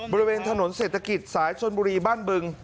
บริเวณถนนเศรษฐกิจสายชนบุรีบ้านบึง